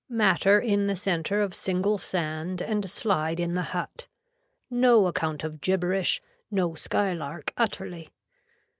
Matter in the center of single sand and slide in the hut. No account of gibberish. No sky lark utterly.